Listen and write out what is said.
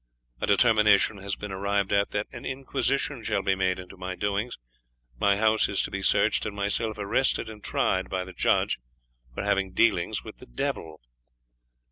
A determination has been arrived at that an inquisition shall be made into my doings, my house is to be searched, and myself arrested and tried by the judge for having dealings with the devil.